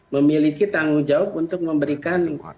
memiliki tanggung jawab untuk memberikan